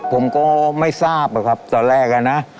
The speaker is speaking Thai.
ผมก็ไม่ทราบอะครับตอนแรกอะนะ